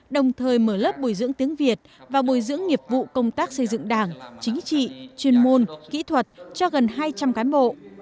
đồng thời mở lớp bồi dưỡng tiếng việt và bồi dưỡng nghiệp vụ công tác xây dựng đảng chính trị chuyên môn kỹ thuật cho gần hai trăm linh cán bộ